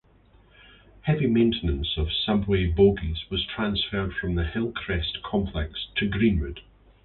Heavy maintenance of subway bogies was transferred from the Hillcrest Complex to Greenwood.